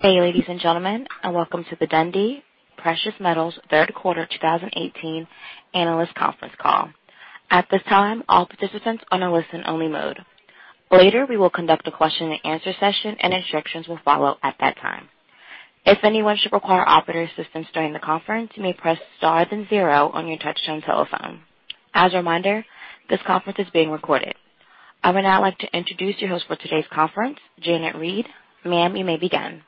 Hey, ladies and gentlemen, welcome to the Dundee Precious Metals third quarter 2018 analyst conference call. At this time, all participants are in a listen-only mode. Later, we will conduct a question-and-answer session, and instructions will follow at that time. If anyone should require operator assistance during the conference, you may press star then zero on your touch-tone telephone. As a reminder, this conference is being recorded. I would now like to introduce your host for today's conference, Janet Reid. Ma'am, you may begin.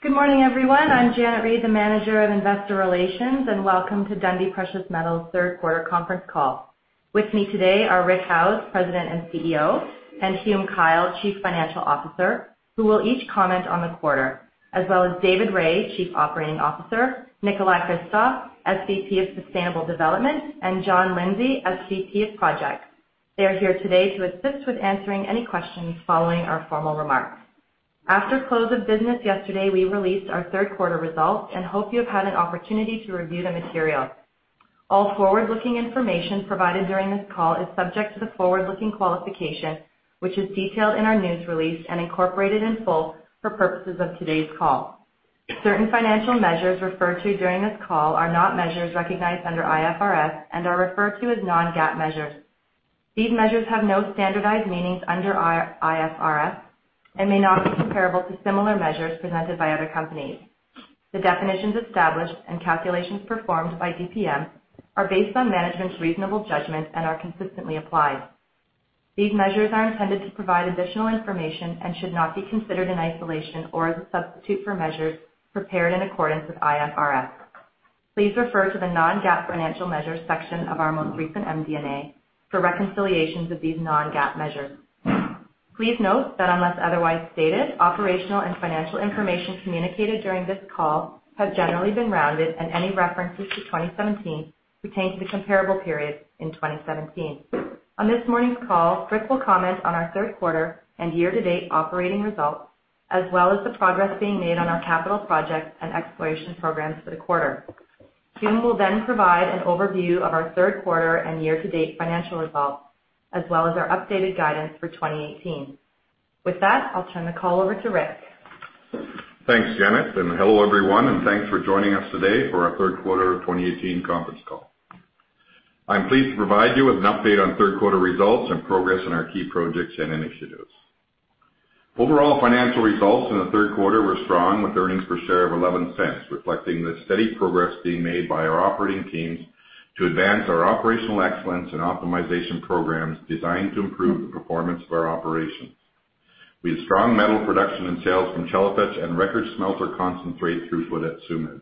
Good morning, everyone. I'm Janet Reid, the Manager of Investor Relations, welcome to Dundee Precious Metals' third quarter conference call. With me today are Rick Howes, President and CEO, and Hume Kyle, Chief Financial Officer, who will each comment on the quarter, as well as David Rae, Chief Operating Officer, Nikolay Hristov, SVP of Sustainable Development, and John Lindsay, SVP of Projects. They are here today to assist with answering any questions following our formal remarks. After close of business yesterday, we released our third quarter results and hope you have had an opportunity to review the material. All forward-looking information provided during this call is subject to the forward-looking qualification, which is detailed in our news release and incorporated in full for purposes of today's call. Certain financial measures referred to during this call are not measures recognized under IFRS and are referred to as non-GAAP measures. These measures have no standardized meanings under IFRS and may not be comparable to similar measures presented by other companies. The definitions established and calculations performed by DPM are based on management's reasonable judgment and are consistently applied. These measures are intended to provide additional information and should not be considered in isolation or as a substitute for measures prepared in accordance with IFRS. Please refer to the non-GAAP financial measures section of our most recent MD&A for reconciliations of these non-GAAP measures. Please note that unless otherwise stated, operational and financial information communicated during this call have generally been rounded, and any references to 2017 pertain to the comparable periods in 2017. On this morning's call, Rick will comment on our third quarter and year-to-date operating results, as well as the progress being made on our capital projects and exploration programs for the quarter. Hume will then provide an overview of our third quarter and year-to-date financial results, as well as our updated guidance for 2018. With that, I'll turn the call over to Rick. Thanks, Janet, and hello, everyone, and thanks for joining us today for our third quarter 2018 conference call. I'm pleased to provide you with an update on third quarter results and progress on our key projects and initiatives. Overall financial results in the third quarter were strong, with earnings per share of $0.11, reflecting the steady progress being made by our operating teams to advance our operational excellence and optimization programs designed to improve the performance of our operations. We had strong metal production and sales from Chelopech and record smelter concentrate through for Tsumeb.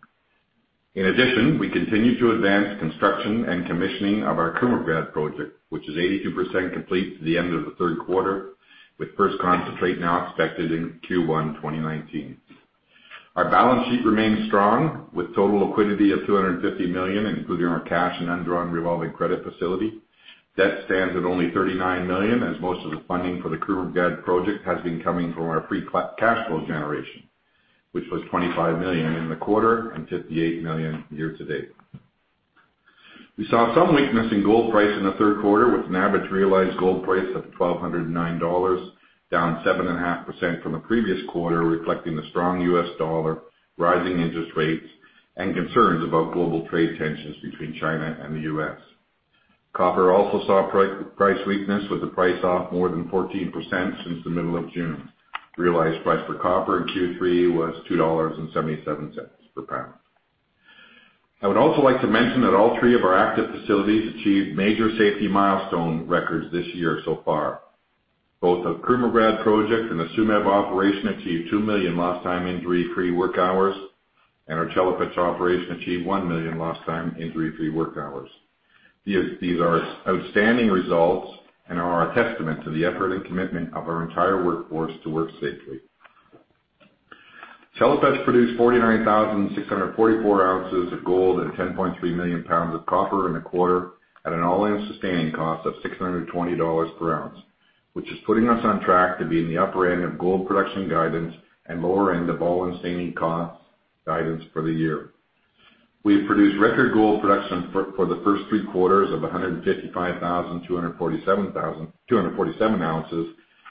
In addition, we continue to advance construction and commissioning of our Krumovgrad project, which is 82% complete through the end of the third quarter, with first concentrate now expected in Q1 2019. Our balance sheet remains strong, with total liquidity of $250 million, including our cash and undrawn revolving credit facility. Debt stands at only $39 million, as most of the funding for the Krumovgrad project has been coming from our free cash flow generation, which was $25 million in the quarter and $58 million year to date. We saw some weakness in gold price in the third quarter, with an average realized gold price of $1,209, down 7.5% from the previous quarter, reflecting the strong U.S. dollar, rising interest rates, and concerns about global trade tensions between China and the U.S. Copper also saw price weakness, with the price off more than 14% since the middle of June. Realized price for copper in Q3 was $2.77 per pound. I would also like to mention that all three of our active facilities achieved major safety milestone records this year so far. Both the Krumovgrad project and the Tsumeb operation achieved 2 million lost time injury-free work hours, and our Chelopech operation achieved 1 million lost time injury-free work hours. These are outstanding results and are a testament to the effort and commitment of our entire workforce to work safely. Chelopech produced 49,644 ounces of gold and 10.3 million pounds of copper in the quarter at an all-in sustaining cost of $620 per ounce, which is putting us on track to be in the upper end of gold production guidance and lower end of all-in sustaining cost guidance for the year. We have produced record gold production for the first three quarters of 155,247 ounces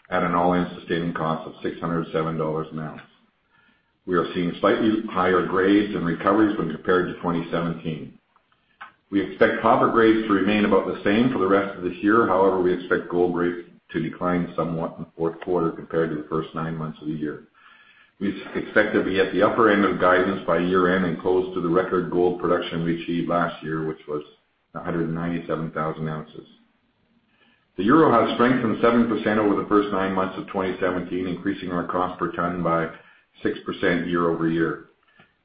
at an all-in sustaining cost of $607 an ounce. We are seeing slightly higher grades and recoveries when compared to 2017. We expect copper grades to remain about the same for the rest of this year. However, we expect gold grades to decline somewhat in the fourth quarter compared to the first nine months of the year. We expect to be at the upper end of guidance by year-end and close to the record gold production we achieved last year, which was 197,000 ounces. The EUR has strengthened 7% over the first nine months of 2017, increasing our cost per ton by 6% year-over-year.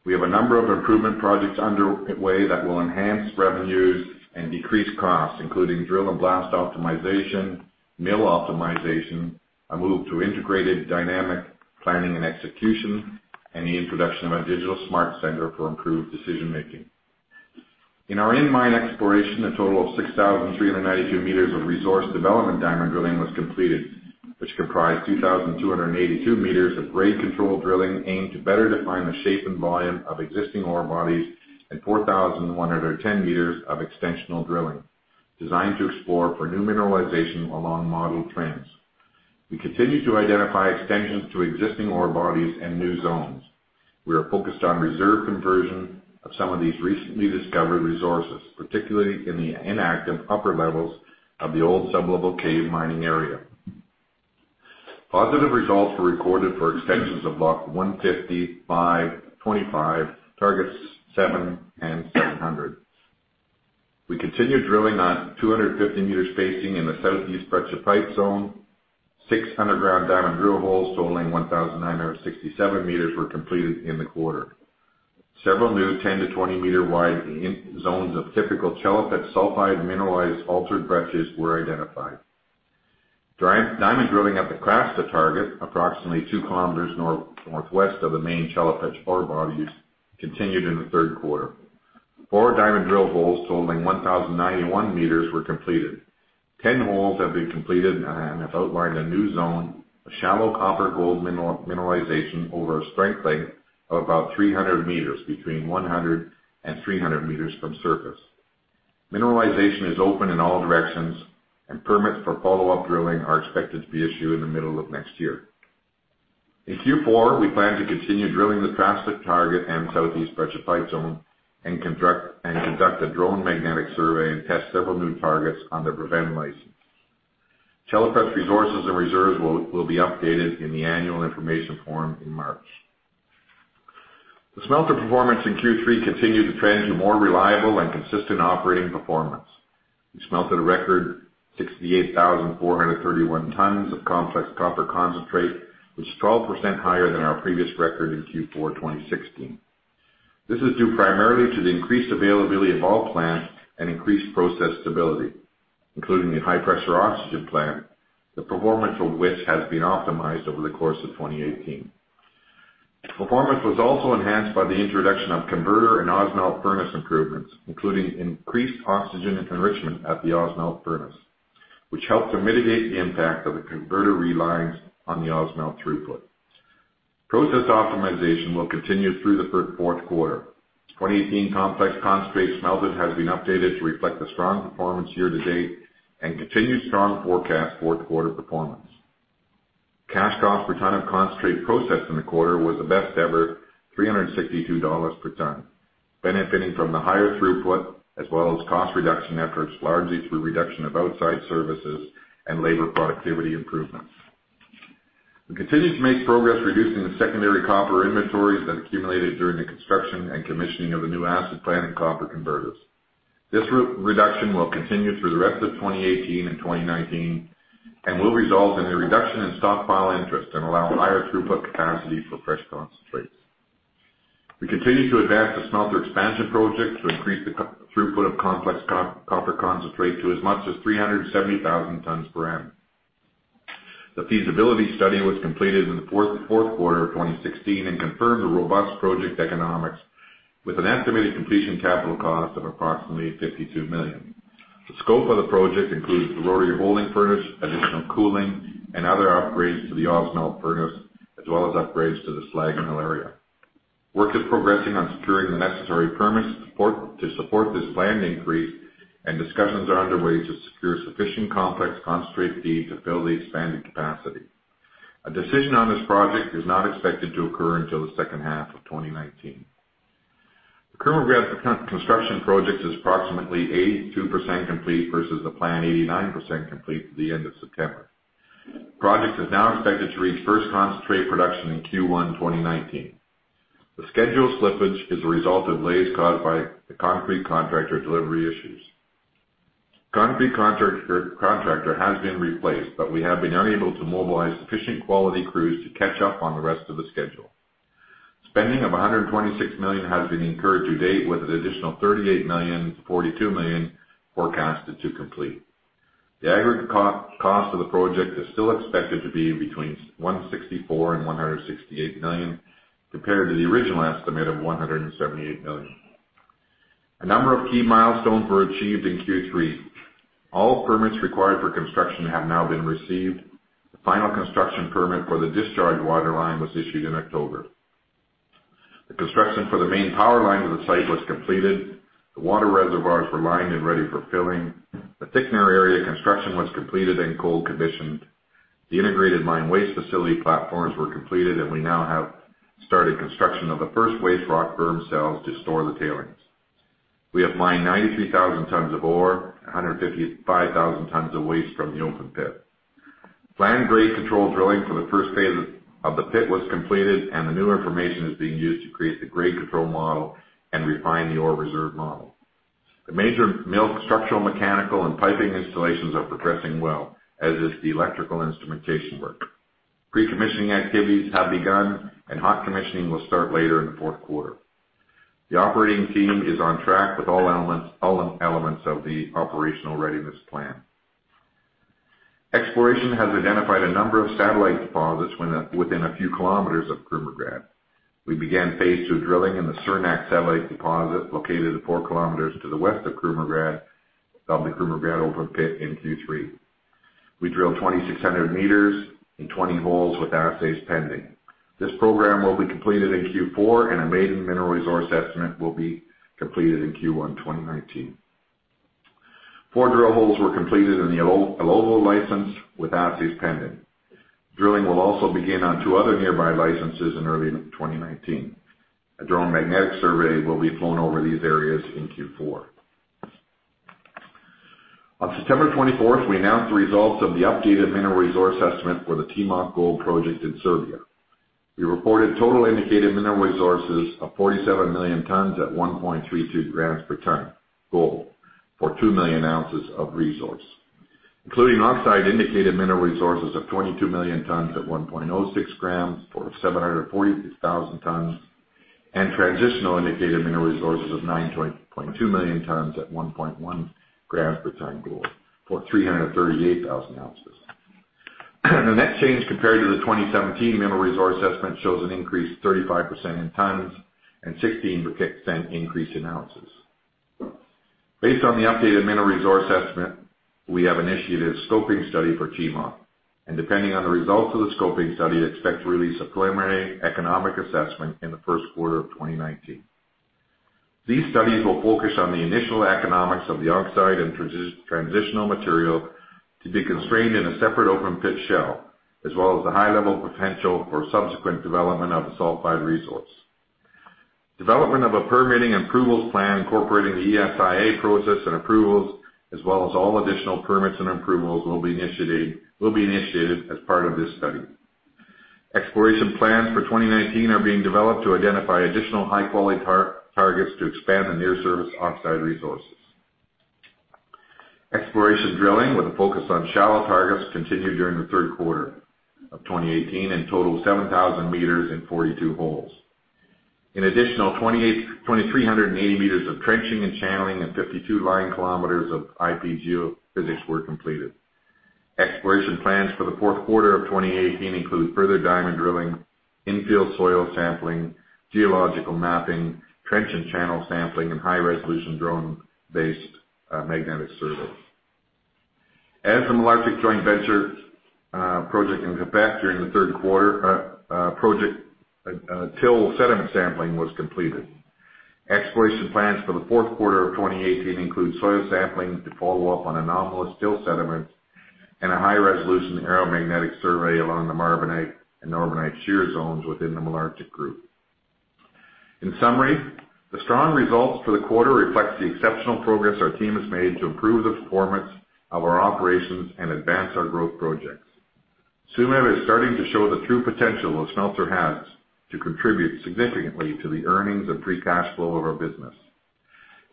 We have a number of improvement projects underway that will enhance revenues and decrease costs, including drill and blast optimization, mill optimization, a move to integrated dynamic planning and execution, and the introduction of our digital smart center for improved decision making. In our in-mine exploration, a total of 6,392 meters of resource development diamond drilling was completed, which comprised 2,282 meters of grade control drilling aimed to better define the shape and volume of existing ore bodies and 4,110 meters of extensional drilling, designed to explore for new mineralization along model trends. We continue to identify extensions to existing ore bodies and new zones. We are focused on reserve conversion of some of these recently discovered resources, particularly in the inactive upper levels of the old sub-level cave mining area. Positive results were recorded for extensions of block 150, 525, targets seven and 700. We continued drilling on 250 meter spacing in the Southeast Breccia Pipe zone, 600 ground diamond drill holes totaling 1,967 meters were completed in the quarter. Several new 10 to 20 meter wide zones of typical Chelopech sulfide mineralized altered breccias were identified. Diamond drilling at the Krasta target, approximately two kilometers northwest of the main Chelopech ore bodies, continued in the third quarter. Four diamond drill holes totaling 1,091 meters were completed. Ten holes have been completed and have outlined a new zone of shallow copper gold mineralization over a strike length of about 300 meters between 100 and 300 meters from surface. Mineralization is open in all directions, and permits for follow-up drilling are expected to be issued in the middle of next year. In Q4, we plan to continue drilling the Krasta target and Southeast Breccia Pipe zone, and conduct a drone magnetic survey and test several new targets on the Brevene license. Chelopech resources and reserves will be updated in the Annual Information Form in March. The smelter performance in Q3 continued the trend to more reliable and consistent operating performance. We smelted a record 68,431 tons of complex copper concentrate, which is 12% higher than our previous record in Q4 2016. This is due primarily to the increased availability of all plant and increased process stability, including the high pressure oxygen plant, the performance of which has been optimized over the course of 2018. Performance was also enhanced by the introduction of converter and Ausmelt furnace improvements, including increased oxygen enrichment at the Ausmelt furnace, which helped to mitigate the impact of the converter reliance on the Ausmelt throughput. Process optimization will continue through the fourth quarter. 2018 complex concentrate smelters has been updated to reflect the strong performance year to date and continued strong forecast fourth quarter performance. Cash cost per ton of concentrate processed in the quarter was the best ever, $362 per ton. Benefiting from the higher throughput, as well as cost reduction efforts, largely through reduction of outside services and labor productivity improvements. We continue to make progress reducing the secondary copper inventories that accumulated during the construction and commissioning of the new acid plant and copper converters. This reduction will continue through the rest of 2018 and 2019, and will result in a reduction in stockpile interest and allow higher throughput capacity for fresh concentrates. We continue to advance the smelter expansion project to increase the throughput of complex copper concentrate to as much as 370,000 tons per annum. The feasibility study was completed in the fourth quarter of 2016 and confirmed the robust project economics with an estimated completion capital cost of approximately $52 million. The scope of the project includes the rotary holding furnace, additional cooling and other upgrades to the Ausmelt furnace, as well as upgrades to the slag mill area. Work is progressing on securing the necessary permits to support this planned increase, and discussions are underway to secure sufficient complex concentrate feed to fill the expanded capacity. A decision on this project is not expected to occur until the second half of 2019. The Krumovgrad construction project is approximately 82% complete versus the planned 89% complete at the end of September. Project is now expected to reach first concentrate production in Q1 2019. The schedule slippage is a result of delays caused by the concrete contractor delivery issues. Concrete contractor has been replaced. We have been unable to mobilize sufficient quality crews to catch up on the rest of the schedule. Spending of $126 million has been incurred to date, with an additional $38 million to $42 million forecasted to complete. The aggregate cost of the project is still expected to be between $164 million and $168 million, compared to the original estimate of $178 million. A number of key milestones were achieved in Q3. All permits required for construction have now been received. The final construction permit for the discharge water line was issued in October. The construction for the main power line to the site was completed. The water reservoirs were lined and ready for filling. The thickener area construction was completed and cold commissioned. The integrated mine waste facility platforms were completed. We now have started construction of the first waste rock berm cells to store the tailings. We have mined 93,000 tons of ore, 155,000 tons of waste from the open pit. Planned grade control drilling for the first phase of the pit was completed. The new information is being used to create the grade control model and refine the ore reserve model. The major mill structural, mechanical, and piping installations are progressing well, as is the electrical instrumentation work. Pre-commissioning activities have begun. Hot commissioning will start later in the fourth quarter. The operating team is on track with all elements of the operational readiness plan. Exploration has identified a number of satellite deposits within a few kilometers of Krumovgrad. We began phase 2 drilling in the Cernak satellite deposit, located four kilometers to the west of Krumovgrad, of the Krumovgrad open pit in Q3. We drilled 2,600 meters in 20 holes with assays pending. This program will be completed in Q4, and a maiden mineral resource estimate will be completed in Q1 2019. Four drill holes were completed in the El Obo license with assays pending. Drilling will also begin on two other nearby licenses in early 2019. A drone magnetic survey will be flown over these areas in Q4. On September 24th, we announced the results of the updated mineral resource estimate for the Timok gold project in Serbia. We reported total indicated mineral resources of 47 million tonnes at 1.32 grams per tonne gold for 2 million ounces of resource, including oxide indicated mineral resources of 22 million tonnes at 1.06 grams for 740,000 tonnes, and transitional indicated mineral resources of 9.2 million tonnes at 1.1 grams per tonne gold for 338,000 ounces. The net change compared to the 2017 mineral resource estimate shows an increase 35% in tonnes and 16% increase in ounces. Based on the updated mineral resource estimate, we have initiated a scoping study for Timok, and depending on the results of the scoping study, expect to release a preliminary economic assessment in the first quarter of 2019. These studies will focus on the initial economics of the oxide and transitional material to be constrained in a separate open pit shell, as well as the high-level potential for subsequent development of the sulfide resource. Development of a permitting approvals plan incorporating the ESIA process and approvals, as well as all additional permits and approvals, will be initiated as part of this study. Exploration plans for 2019 are being developed to identify additional high-quality targets to expand the near-surface oxide resources. Exploration drilling with a focus on shallow targets continued during the third quarter of 2018 and totaled 7,000 meters and 42 holes. An additional 2,380 meters of trenching and channeling and 52 line kilometers of IP geophysics were completed. Exploration plans for the fourth quarter of 2018 include further diamond drilling, in-field soil sampling, geological mapping, trench and channel sampling, and high-resolution drone-based magnetic surveys. At the Malartic Joint Venture project in Quebec during the third quarter, till sediment sampling was completed. Exploration plans for the fourth quarter of 2018 include soil sampling to follow up on anomalous till sediments and a high-resolution aeromagnetic survey along the Marbenite and Norbenite shear zones within the Malartic Group. In summary, the strong results for the quarter reflects the exceptional progress our team has made to improve the performance of our operations and advance our growth projects. Tsumeb is starting to show the true potential of smelter assets to contribute significantly to the earnings and free cash flow of our business.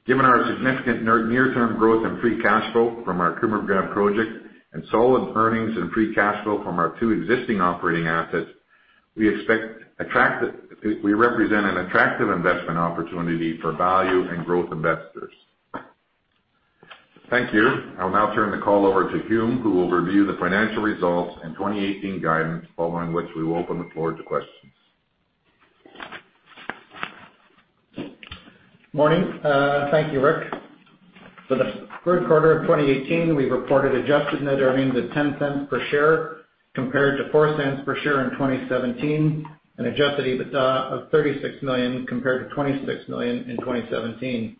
Given our significant near-term growth and free cash flow from our Krumovgrad project and solid earnings and free cash flow from our two existing operating assets, we represent an attractive investment opportunity for value and growth investors. Thank you. I'll now turn the call over to Hume, who will review the financial results and 2018 guidance, following which we will open the floor to questions. Morning. Thank you, Rick. For the third quarter of 2018, we reported adjusted net earnings of $0.10 per share compared to $0.04 per share in 2017, an adjusted EBITDA of $36 million compared to $26 million in 2017.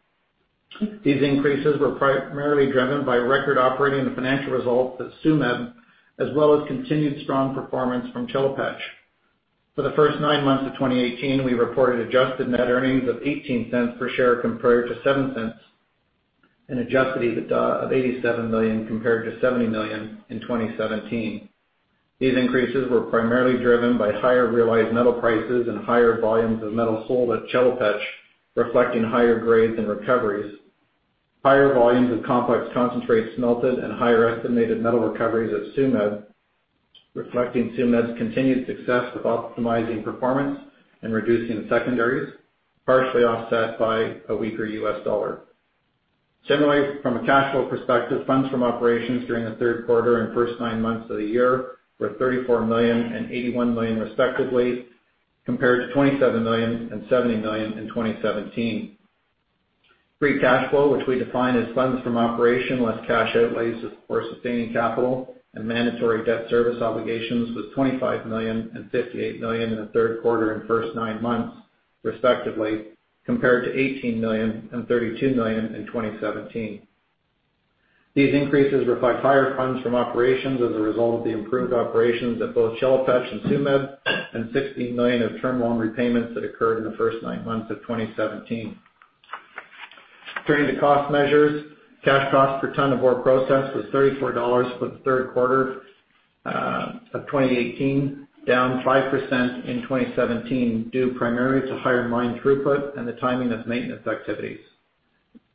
These increases were primarily driven by record operating and financial results at Tsumeb, as well as continued strong performance from Chelopech. For the first nine months of 2018, we reported adjusted net earnings of $0.18 per share compared to $0.07 and adjusted EBITDA of $87 million compared to $70 million in 2017. These increases were primarily driven by higher realized metal prices and higher volumes of metal sold at Chelopech, reflecting higher grades and recoveries. Higher volumes of complex concentrates smelted and higher estimated metal recoveries at Tsumeb, reflecting Tsumeb's continued success with optimizing performance and reducing secondaries, partially offset by a weaker U.S. dollar. Similarly, from a cash flow perspective, funds from operations during the third quarter and first nine months of the year were $34 million and $81 million respectively, compared to $27 million and $70 million in 2017. Free cash flow, which we define as funds from operation less cash outlays for sustaining capital and mandatory debt service obligations, was $25 million and $58 million in the third quarter and first nine months respectively, compared to $18 million and $32 million in 2017. These increases reflect higher funds from operations as a result of the improved operations at both Chelopech and Tsumeb and $16 million of term loan repayments that occurred in the first nine months of 2017. Turning to cost measures, cash cost per ton of ore processed was $34 for the third quarter of 2018, down 5% in 2017, due primarily to higher mine throughput and the timing of maintenance activities.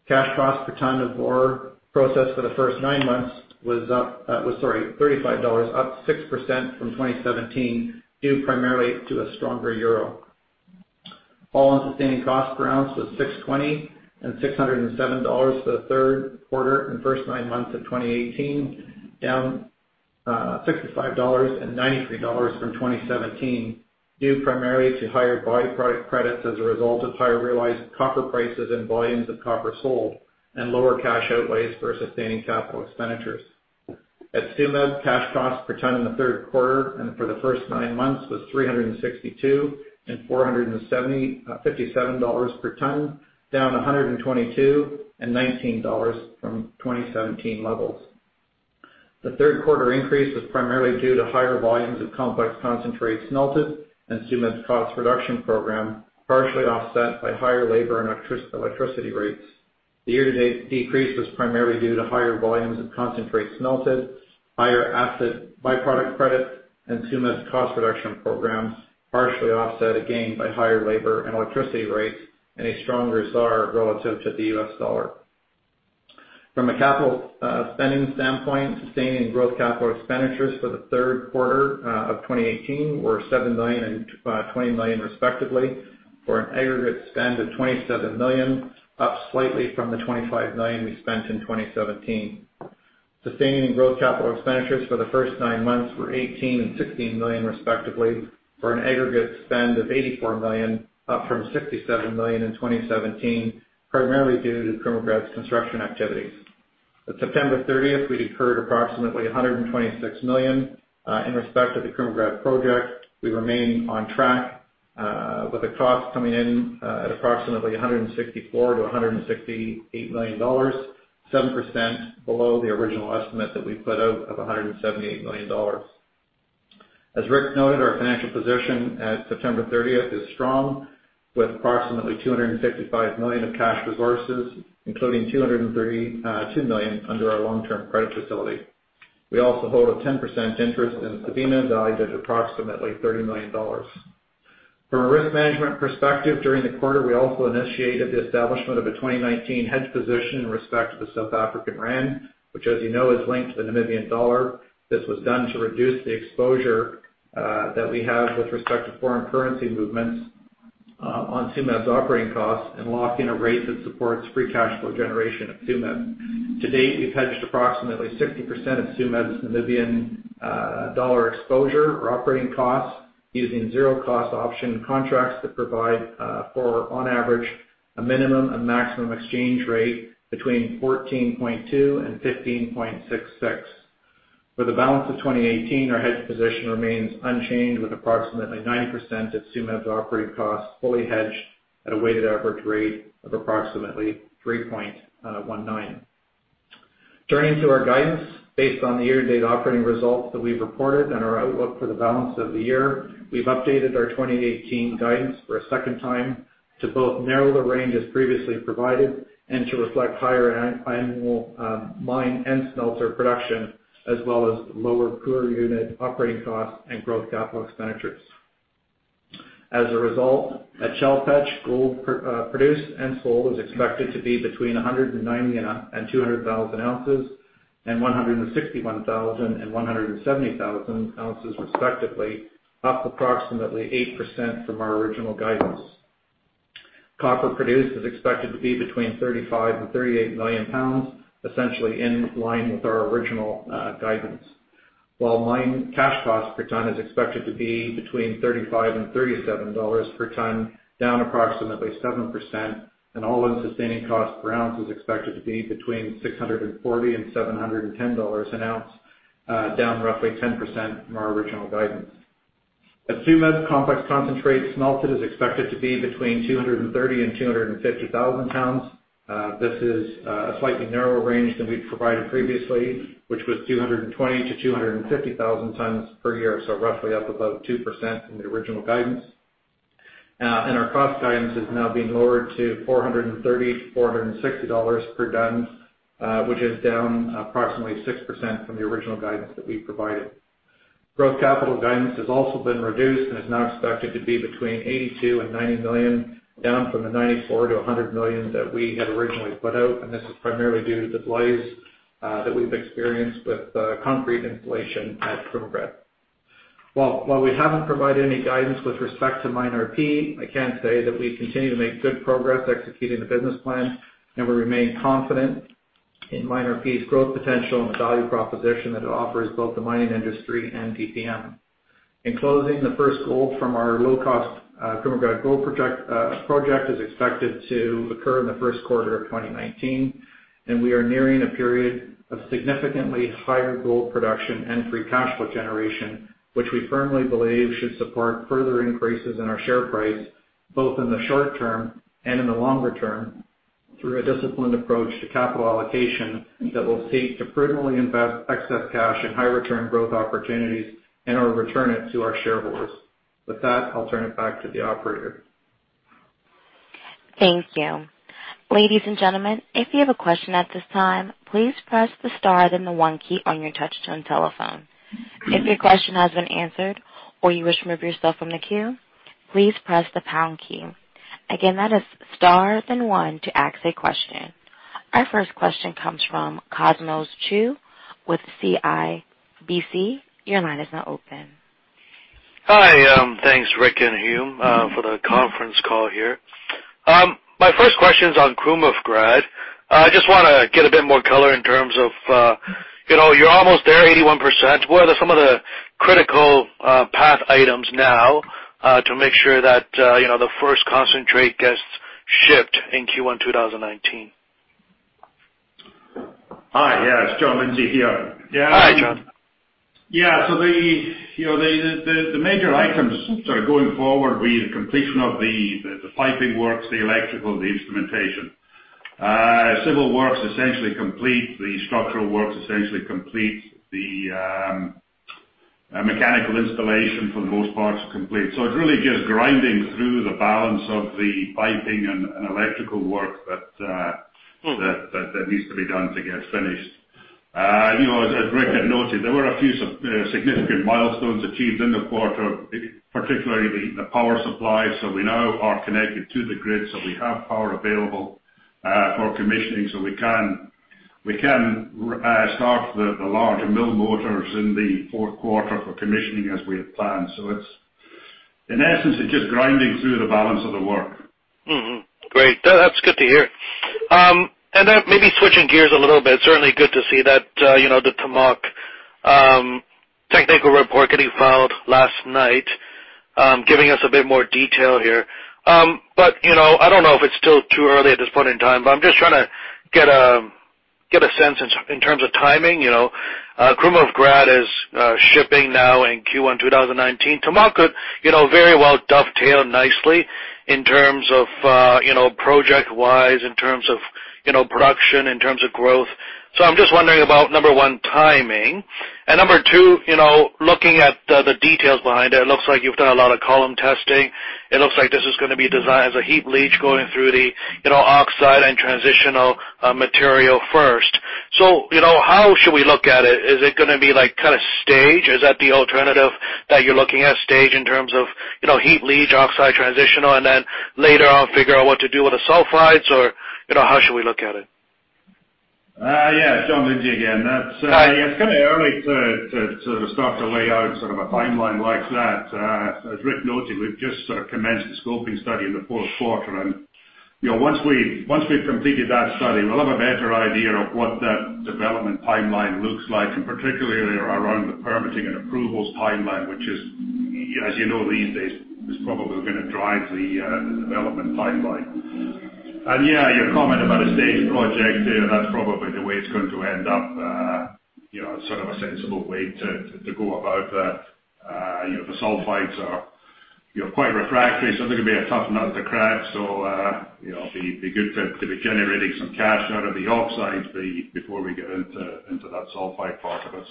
Cash cost per ton of ore processed for the first nine months was $35, up 6% from 2017, due primarily to a stronger EUR. all-in sustaining cost per ounce was $620 and $607 for the third quarter and first nine months of 2018, down $65 and $93 from 2017. Due primarily to higher by-product credits as a result of higher realized copper prices and volumes of copper sold, and lower cash outlays for sustaining capital expenditures. At Tsumeb, cash costs per ton in the third quarter and for the first nine months was $362 and $457 per ton, down $122 and $19 from 2017 levels. The third quarter increase was primarily due to higher volumes of complex concentrates melted and Tsumeb's cost reduction program, partially offset by higher labor and electricity rates. The year-to-date decrease was primarily due to higher volumes of concentrates melted, higher acid by-product credit, and Tsumeb's cost reduction programs, partially offset again by higher labor and electricity rates and a stronger ZAR relative to the U.S. dollar. From a capital spending standpoint, sustaining growth capital expenditures for the third quarter of 2018 were $7 million and $20 million respectively, for an aggregate spend of $27 million, up slightly from the $25 million we spent in 2017. Sustaining growth capital expenditures for the first nine months were $18 million and $16 million respectively, for an aggregate spend of $84 million, up from $67 million in 2017, primarily due to Krumovgrad's construction activities. At September 30th, we'd incurred approximately $126 million in respect of the Krumovgrad project. We remain on track, with a cost coming in at approximately $164 million to $168 million, 7% below the original estimate that we put out of $178 million. As Rick noted, our financial position at September 30th is strong, with approximately $255 million of cash resources, including $232 million under our long-term credit facility. We also hold a 10% interest in Sabina, valued at approximately $30 million. From a risk management perspective, during the quarter we also initiated the establishment of a 2019 hedge position in respect to the South African rand, which as you know is linked to the Namibian dollar. This was done to reduce the exposure that we have with respect to foreign currency movements on Tsumeb's operating costs and lock in a rate that supports free cash flow generation at Tsumeb. To date, we've hedged approximately 60% of Tsumeb's Namibian dollar exposure or operating costs using zero-cost option contracts that provide for, on average, a minimum and maximum exchange rate between 14.2 and 15.66. For the balance of 2018, our hedge position remains unchanged with approximately 90% of Tsumeb's operating costs fully hedged at a weighted average rate of approximately 3.19. Turning to our guidance, based on the year-to-date operating results that we've reported and our outlook for the balance of the year, we've updated our 2018 guidance for a second time to both narrow the range as previously provided and to reflect higher annual mine and smelter production as well as lower per-unit operating costs and growth capital expenditures. As a result, at Chelopech, gold produced and sold is expected to be between 190,000 and 200,000 ounces, and 161,000 and 170,000 ounces respectively, up approximately 8% from our original guidance. Copper produced is expected to be between 35 and 38 million pounds, essentially in line with our original guidance. While mine cash cost per ton is expected to be between $35 and $37 per ton, down approximately 7%, and all-in sustaining cost per ounce is expected to be between $640 and $710 an ounce, down roughly 10% from our original guidance. At Tsumeb, complex concentrate smelted is expected to be between 230,000 and 250,000 tons. This is a slightly narrower range than we'd provided previously, which was 220,000 to 250,000 tons per year. Roughly up about 2% from the original guidance. Our cost guidance has now been lowered to $430 to $460 per ton, which is down approximately 6% from the original guidance that we provided. Growth capital guidance has also been reduced and is now expected to be between $82 and $90 million, down from the $94 to $100 million that we had originally put out, and this is primarily due to delays that we've experienced with concrete installation at Krumovgrad. While we haven't provided any guidance with respect to MineRP, I can say that we continue to make good progress executing the business plan and we remain confident in MineRP's growth potential and the value proposition that it offers both the mining industry and DPM. In closing, the first gold from our low-cost Krumovgrad gold project is expected to occur in the first quarter of 2019. We are nearing a period of significantly higher gold production and free cash flow generation, which we firmly believe should support further increases in our share price, both in the short term and in the longer term, through a disciplined approach to capital allocation that will seek to prudently invest excess cash in high return growth opportunities and/or return it to our shareholders. With that, I'll turn it back to the operator. Thank you. Ladies and gentlemen, if you have a question at this time, please press the star then the one key on your touchtone telephone. If your question has been answered or you wish to remove yourself from the queue, please press the pound key. Again, that is star then one to ask a question. Our first question comes from Cosmos Chiu with CIBC. Your line is now open. Hi. Thanks, Rick and Hume, for the conference call here. My first question's on Krumovgrad. I just want to get a bit more color in terms of, you're almost there, 81%. What are some of the critical path items now to make sure that the first concentrate gets shipped in Q1 2019? Hi. Yeah, it's John Lindsay here. Hi, John. The major items sort of going forward will be the completion of the piping works, the electrical, the instrumentation. Civil works, essentially complete. The structural work's essentially complete. The mechanical installation, for the most part, is complete. It really just grinding through the balance of the piping and electrical work that needs to be done to get finished. As Rick had noted, there were a few significant milestones achieved in the quarter, particularly the power supply. We now are connected to the grid, so we have power available for commissioning. We can start the larger mill motors in the fourth quarter for commissioning as we had planned. In essence, it's just grinding through the balance of the work. Mm-hmm. Great. That's good to hear. Maybe switching gears a little bit, certainly good to see that the Timok technical report getting filed last night, giving us a bit more detail here. I don't know if it's still too early at this point in time, but I'm just trying to get a sense in terms of timing. Krumovgrad is shipping now in Q1 2019. Timok very well dovetail nicely in terms of project-wise, in terms of production, in terms of growth. I'm just wondering about, number one, timing, and number two, looking at the details behind it. It looks like you've done a lot of column testing. It looks like this is going to be designed as a heap leach going through the oxide and transitional material first. How should we look at it? Is it gonna be kind of stage? Is that the alternative that you're looking at, stage in terms of heap leach, oxide, transitional, and then later on figure out what to do with the sulfides? How should we look at it? Yeah. John Lindsay again. Hi. It's kind of early to start to lay out sort of a timeline like that. As Rick noted, we've just sort of commenced the scoping study in the fourth quarter. Once we've completed that study, we'll have a better idea of what that development timeline looks like, and particularly around the permitting and approvals timeline, which is, as you know, these days, is probably gonna drive the development timeline. Yeah, your comment about a stage project there, that's probably the way it's going to end up, sort of a sensible way to go about that. The sulfides are quite refractory, so they're gonna be a tough nut to crack. It'll be good to be generating some cash out of the oxides before we get into that sulfide part of it.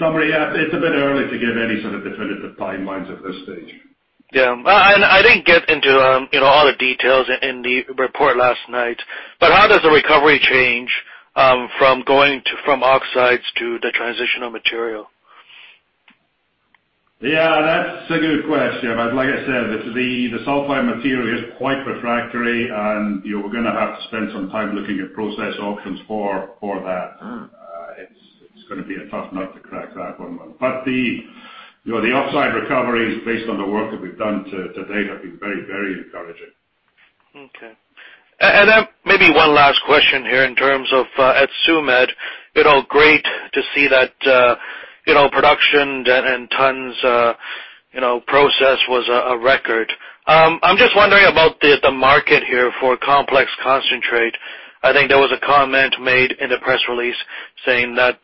summary, yeah, it's a bit early to give any sort of definitive timelines at this stage. Yeah. I didn't get into all the details in the report last night, how does the recovery change from going from oxides to the transitional material? Yeah, that's a good question. Like I said, the sulfide material is quite refractory, and we're gonna have to spend some time looking at process options for that. It's gonna be a tough nut to crack that one. The oxide recoveries based on the work that we've done to date have been very encouraging. Okay. Maybe one last question here in terms of at Tsumeb, great to see that production and tonnes processed was a record. I'm just wondering about the market here for complex concentrate. I think there was a comment made in the press release saying that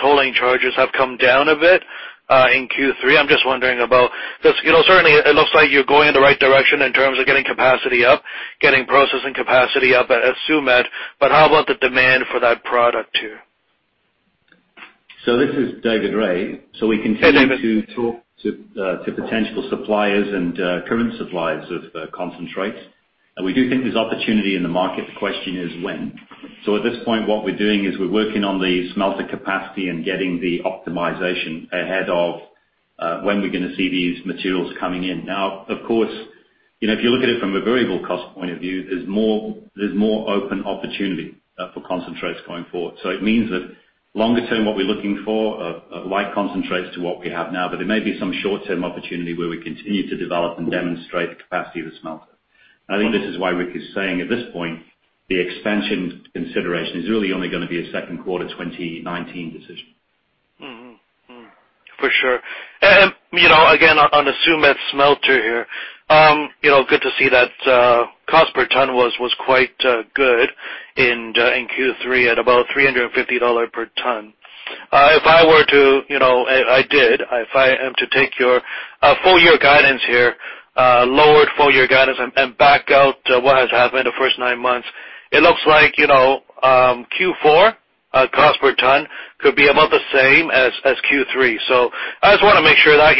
tolling charges have come down a bit in Q3. I'm just wondering about, because certainly it looks like you're going in the right direction in terms of getting capacity up, getting processing capacity up at Tsumeb, how about the demand for that product too? This is David Rae. Hey, David. We continue to talk to potential suppliers and current suppliers of concentrate. We do think there's opportunity in the market. The question is when. At this point, what we're doing is we're working on the smelter capacity and getting the optimization ahead of when we're gonna see these materials coming in. Now, of course, if you look at it from a variable cost point of view, there's more open opportunity for concentrates going forward. It means that longer term, what we're looking for are light concentrates to what we have now, but there may be some short-term opportunity where we continue to develop and demonstrate the capacity of the smelter. I think this is why Rick is saying, at this point, the expansion consideration is really only gonna be a second quarter 2019 decision. For sure. Again, on the Tsumeb smelter here, good to see that cost per tonne was quite good in Q3 at about $350 per tonne. If I were to, and I did, if I am to take your full year guidance here, lowered full year guidance and back out what has happened the first nine months, it looks like Q4 cost per tonne could be about the same as Q3. I just wanna make sure that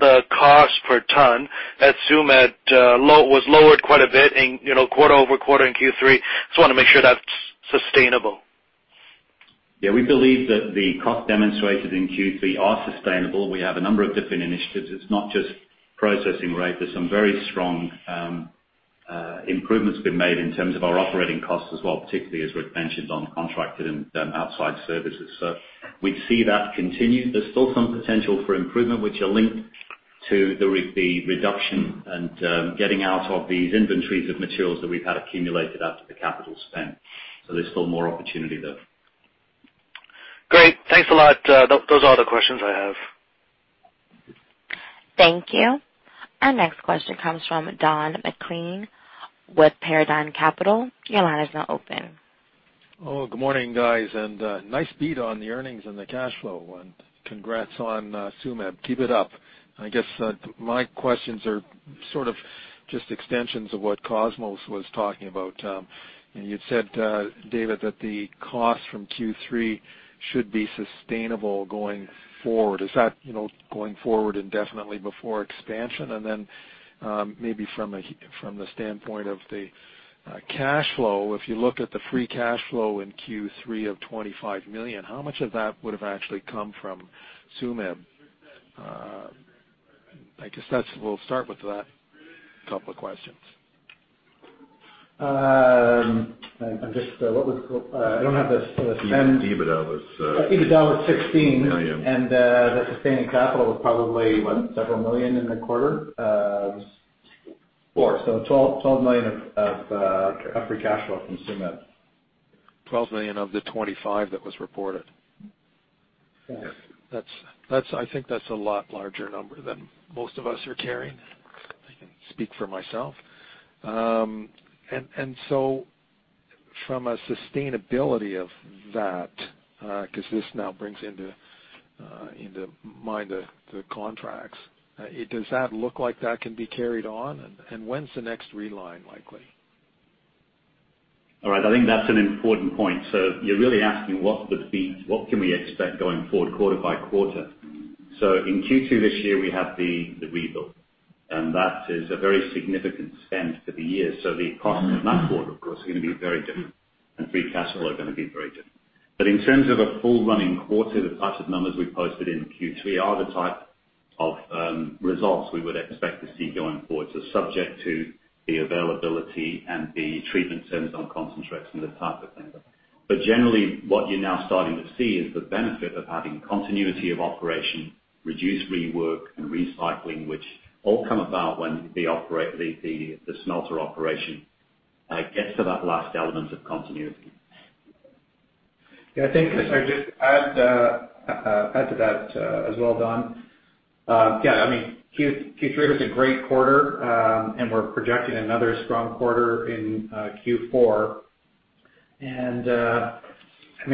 the cost per tonne at Tsumeb was lowered quite a bit quarter-over-quarter in Q3. Just wanna make sure that's sustainable. We believe that the cost demonstrated in Q3 are sustainable. We have a number of different initiatives. It's not just processing, right? There's some very strong improvements been made in terms of our operating costs as well, particularly as Rick mentioned, on contracted and outside services. We'd see that continue. There's still some potential for improvement, which are linked to the reduction and getting out of these inventories of materials that we've had accumulated after the capital spend. There's still more opportunity there. Great. Thanks a lot. Those are all the questions I have. Thank you. Our next question comes from Don MacLean with Paradigm Capital. Your line is now open. Hello. Good morning, guys. Nice beat on the earnings and the cash flow. Congrats on Tsumeb. Keep it up. I guess my questions are just extensions of what Cosmos was talking about. You'd said, David, that the cost from Q3 should be sustainable going forward. Is that going forward indefinitely before expansion? Maybe from the standpoint of the cash flow, if you look at the free cash flow in Q3 of $25 million, how much of that would have actually come from Tsumeb? I guess we'll start with that couple of questions. I don't have the. EBITDA was. EBITDA was $16. million. The sustaining capital was probably, what, several million in the quarter, so $12 million of free cash flow from Tsumeb. $12 million of the $25 that was reported. Yes. I think that's a lot larger number than most of us are carrying. I can speak for myself. From a sustainability of that, because this now brings into mind the contracts, does that look like that can be carried on, and when is the next reline likely? All right. I think that's an important point. You're really asking what can we expect going forward quarter by quarter. In Q2 this year, we have the rebuild, and that is a very significant spend for the year. The costs in that quarter, of course, are going to be very different, and free cash flow are going to be very different. In terms of a full running quarter, the type of numbers we posted in Q3 are the type of results we would expect to see going forward, so subject to the availability and the treatment terms on concentrates and that type of thing. Generally, what you're now starting to see is the benefit of having continuity of operation, reduced rework, and recycling, which all come about when the smelter operation gets to that last element of continuity. Yeah, I think if I just add to that as well, Don. Yeah, Q3 was a great quarter, and we're projecting another strong quarter in Q4.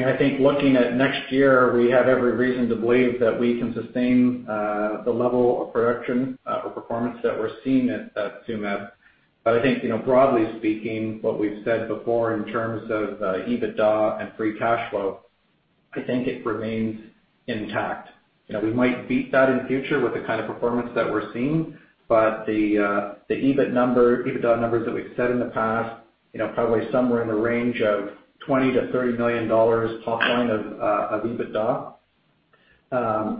I think looking at next year, we have every reason to believe that we can sustain the level of production or performance that we're seeing at Tsumeb. I think, broadly speaking, what we've said before in terms of EBITDA and free cash flow, I think it remains intact. We might beat that in the future with the kind of performance that we're seeing. The EBITDA numbers that we've said in the past, probably somewhere in the range of $20 million-$30 million top line of EBITDA.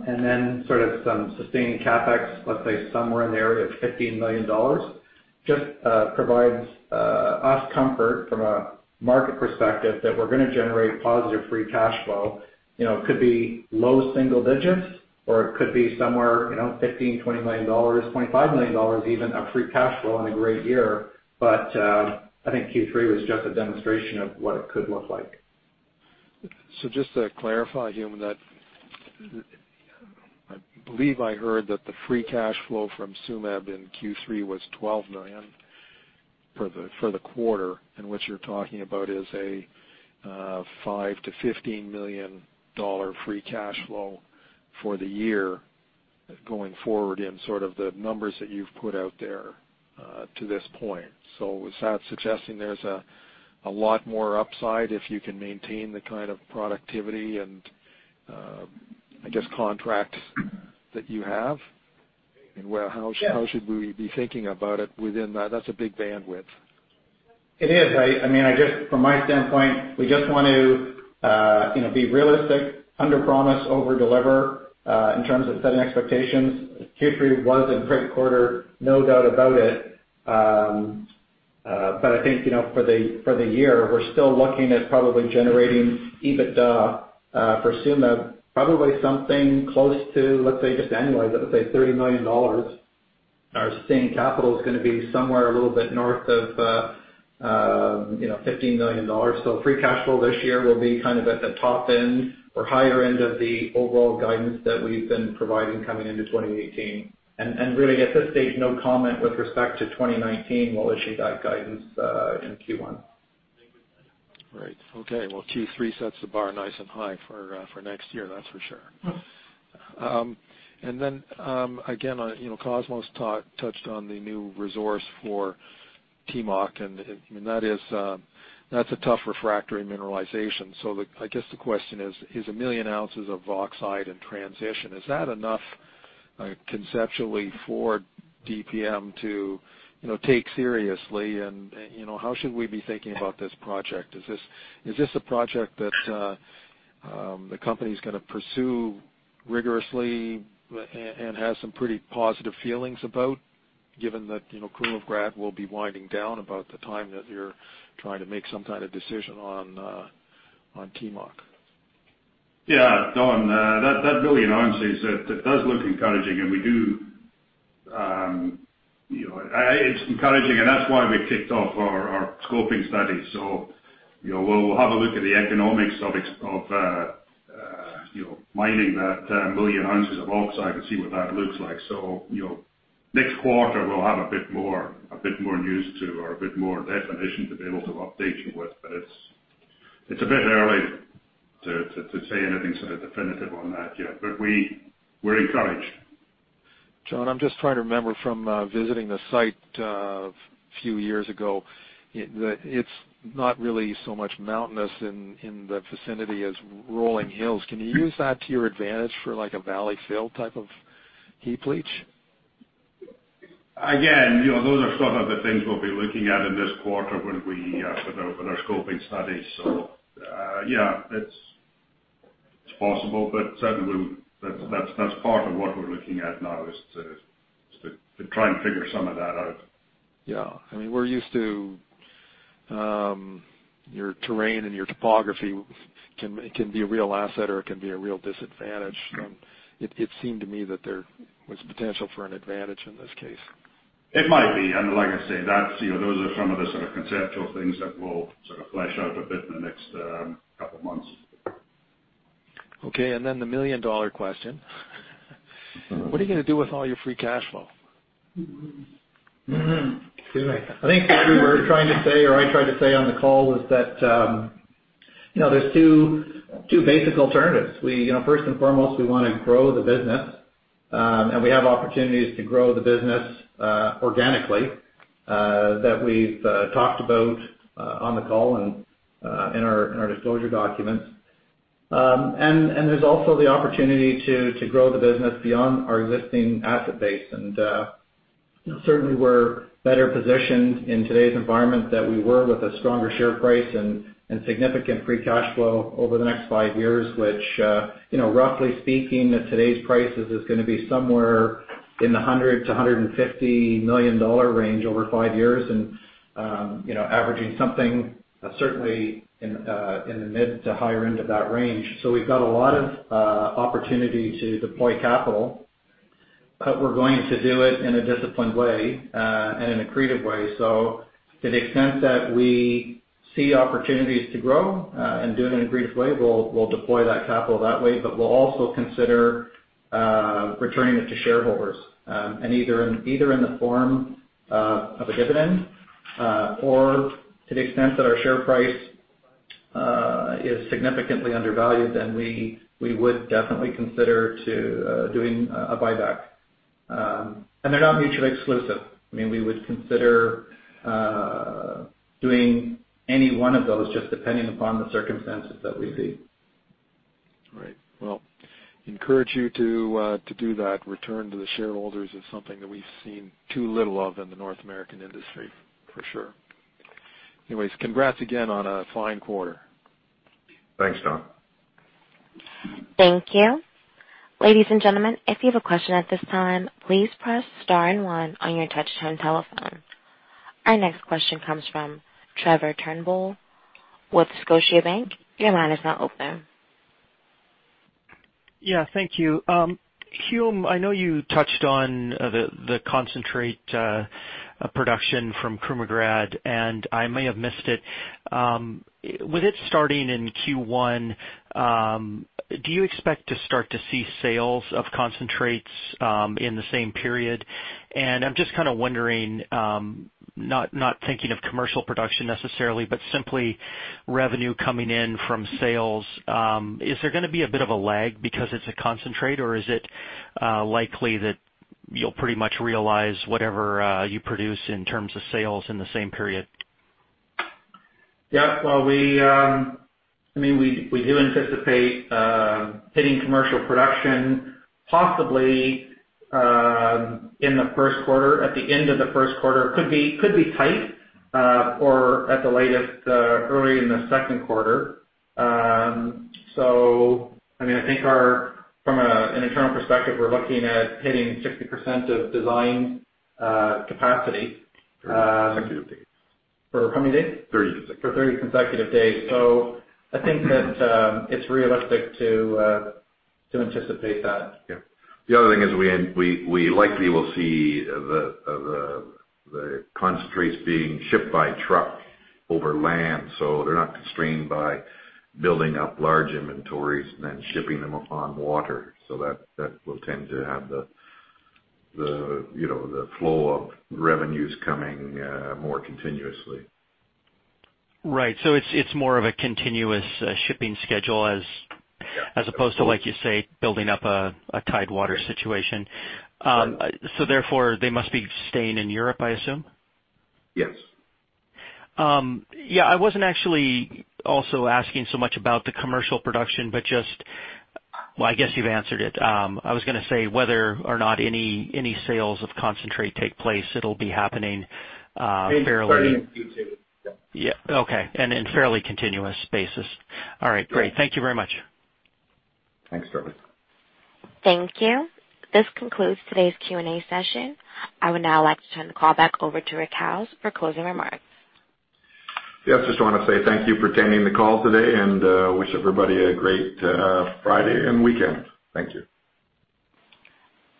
Then some sustaining CapEx, let's say somewhere in the area of $15 million, just provides us comfort from a market perspective that we're going to generate positive free cash flow. It could be low single digits, or it could be somewhere, $15 million, $20 million, $25 million even of free cash flow in a great year. I think Q3 was just a demonstration of what it could look like. Just to clarify, Hume Kyle, I believe I heard that the free cash flow from Tsumeb in Q3 was $12 million for the quarter, what you're talking about is a $5 million-$15 million free cash flow for the year going forward in the numbers that you've put out there to this point. Is that suggesting there's a lot more upside if you can maintain the kind of productivity and contracts that you have? How should we be thinking about it within that? That's a big bandwidth. It is. From my standpoint, we just want to be realistic, underpromise, overdeliver, in terms of setting expectations. Q3 was a great quarter, no doubt about it. I think for the year, we're still looking at probably generating EBITDA for Tsumeb, probably something close to, let's say, just annually, let's say $30 million. Our sustained capital is going to be somewhere a little bit north of $15 million. Free cash flow this year will be at the top end or higher end of the overall guidance that we've been providing coming into 2018. Really, at this stage, no comment with respect to 2019. We'll issue that guidance in Q1. Right. Okay. Q3 sets the bar nice and high for next year, that's for sure. Then again, Cosmos Chiu touched on the new resource for Timok, that's a tough refractory mineralization. I guess the question is, a million ounces of oxide in transition, is that enough conceptually for DPM to take seriously? How should we be thinking about this project? Is this a project that the company's going to pursue rigorously and has some pretty positive feelings about, given that Krumovgrad will be winding down about the time that you're trying to make some kind of decision on Timok? Yeah, Don, that million ounces, it does look encouraging, and we do It's encouraging, and that's why we kicked off our scoping study. We'll have a look at the economics of mining that million ounces of oxide and see what that looks like. Next quarter, we'll have a bit more news to, or a bit more definition to be able to update you with. It's a bit early to say anything sort of definitive on that yet. We're encouraged. John, I'm just trying to remember from visiting the site a few years ago, it's not really so much mountainous in the vicinity as rolling hills. Can you use that to your advantage for, like, a valley fill type of heap leach? Again, those are some of the things we'll be looking at in this quarter with our scoping studies. Yeah. It's possible, but certainly, that's part of what we're looking at now is to try and figure some of that out. Yeah. We're used to your terrain and your topography can be a real asset or it can be a real disadvantage. It seemed to me that there was potential for an advantage in this case. It might be, and like I say, those are some of the sort of conceptual things that we'll sort of flesh out a bit in the next couple of months. Okay, the million-dollar question. What are you going to do with all your free cash flow? I think what we were trying to say, or I tried to say on the call was that there's two basic alternatives. First and foremost, we want to grow the business. We have opportunities to grow the business organically, that we've talked about on the call and in our disclosure documents. There's also the opportunity to grow the business beyond our existing asset base. Certainly, we're better positioned in today's environment than we were with a stronger share price and significant free cash flow over the next five years, which roughly speaking, at today's prices, is going to be somewhere in the $100 million-$150 million range over five years and averaging something certainly in the mid to higher end of that range. We've got a lot of opportunity to deploy capital, but we're going to do it in a disciplined way and in a creative way. To the extent that we see opportunities to grow and do it in a creative way, we'll deploy that capital that way, but we'll also consider returning it to shareholders. Either in the form of a dividend or to the extent that our share price is significantly undervalued, then we would definitely consider doing a buyback. They're not mutually exclusive. We would consider doing any one of those just depending upon the circumstances that we see. Right. Encourage you to do that. Return to the shareholders is something that we've seen too little of in the North American industry, for sure. Anyways, congrats again on a fine quarter. Thanks, John. Thank you. Ladies and gentlemen, if you have a question at this time, please press star and one on your touch-tone telephone. Our next question comes from Trevor Turnbull with Scotiabank. Your line is now open. Yeah, thank you. Hume, I know you touched on the concentrate production from Krumovgrad, and I may have missed it. With it starting in Q1, do you expect to start to see sales of concentrates in the same period? I'm just kind of wondering, not thinking of commercial production necessarily, but simply revenue coming in from sales. Is there going to be a bit of a lag because it's a concentrate, or is it likely that you'll pretty much realize whatever you produce in terms of sales in the same period? Yeah. We do anticipate hitting commercial production possibly in the first quarter, at the end of the first quarter. Could be tight. At the latest, early in the second quarter. I think from an internal perspective, we're looking at hitting 60% of design capacity. 30 consecutive days. For how many days? 30 consecutive days. For 30 consecutive days. I think that it's realistic to anticipate that. Yeah. The other thing is we likely will see the concentrates being shipped by truck over land, so they're not constrained by building up large inventories and then shipping them upon water. That will tend to have the flow of revenues coming more continuously. Right. It's more of a continuous shipping schedule as- Yeah as opposed to, like you say, building up a tidewater situation. Right. Therefore, they must be staying in Europe, I assume? Yes. Yeah, I wasn't actually also asking so much about the commercial production, but just Well, I guess you've answered it. I was going to say whether or not any sales of concentrate take place, it'll be happening fairly- In Q2, yeah. Yeah, okay. In fairly continuous basis. All right, great. Thank you very much. Thanks, Trevor. Thank you. This concludes today's Q&A session. I would now like to turn the call back over to Rick Howes for closing remarks. Yes, just want to say thank you for attending the call today and wish everybody a great Friday and weekend. Thank you.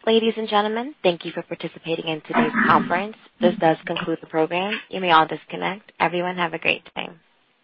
Ladies and gentlemen, thank you for participating in today's conference. This does conclude the program. You may all disconnect. Everyone have a great day.